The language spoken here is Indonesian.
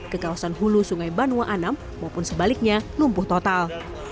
ke kawasan hulu sungai banua anam maupun sebaliknya lumpuh total